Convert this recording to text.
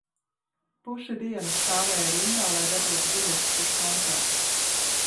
Pusi dienas stāvēja rindā, lai dabūtu biļetes uz koncertu